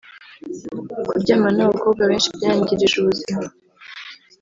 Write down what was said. kuryamana n‘abakobwa benshi byanyangirije ubuzima